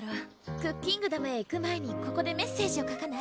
クッキングダムへ行く前にここでメッセージを書かない？